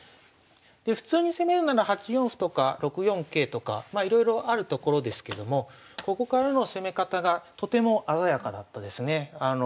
普通に攻めるなら８四歩とか６四桂とかいろいろあるところですけどもここからの攻め方がとても鮮やかだったですね。